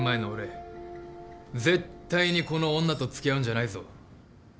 絶対にこの女と付き合うんじゃないぞ。